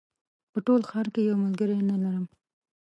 په ټول ښار کې یو ملګری نه لرم